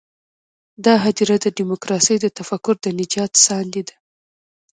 دا هدیره د ډیموکراسۍ د تفکر د نجات ساندې ده.